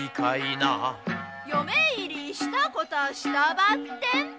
「嫁入りしたこたしたばってん」